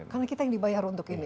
karena kita yang dibayar untuk ini